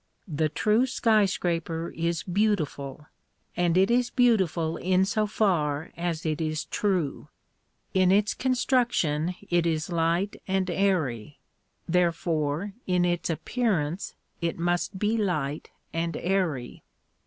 The true sky scraper is beautiful, and it is beautiful in so far as it is true. In its construction it is light and airy, therefore in its appearance it must be light and airy.